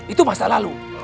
itu masa lalu